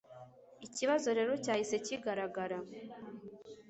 Ikibazo rero cyahise kigaragara.